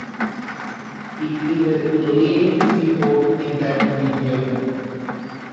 It is a leading seaport in that region.